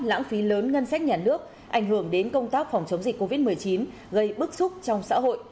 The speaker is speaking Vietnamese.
lãng phí lớn ngân sách nhà nước ảnh hưởng đến công tác phòng chống dịch covid một mươi chín gây bức xúc trong xã hội